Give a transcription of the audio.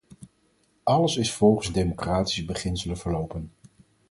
Alles is volgens democratische beginselen verlopen.